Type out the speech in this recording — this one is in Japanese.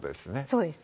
そうです